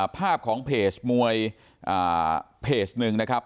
ภาพของเพจมวยเพจหนึ่งนะครับ